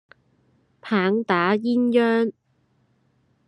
棒打鴛鴦